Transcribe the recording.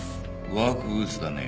ワークブーツだね。